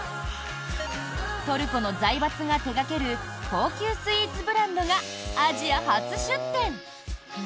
トルコの財閥が手掛ける高級スイーツブランドがアジア初出店。